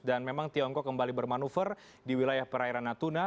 dan memang tiongkok kembali bermanuver di wilayah perairan natuna